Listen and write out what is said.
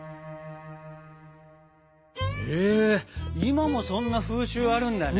へえ今もそんな風習あるんだね！